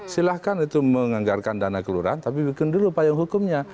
silahkan itu menganggarkan dana kelurahan tapi bikin dulu payung hukumnya